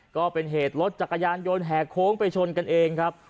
ก็เป็นเหตุรถจักรยานยนต์แห่โค้งไปชนกันเองครับ